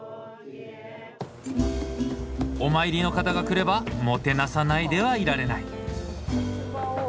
お参りの方が来ればもてなさないではいられない。